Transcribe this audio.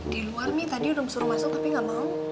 di luar mi tadi udah suruh masuk tapi gak mau